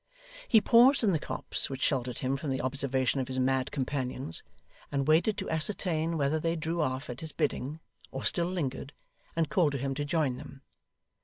He paused in the copse which sheltered him from the observation of his mad companions, and waited to ascertain whether they drew off at his bidding, or still lingered and called to him to join them.